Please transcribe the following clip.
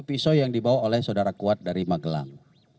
pisau yang dibawa oleh saudara kuat dari magelang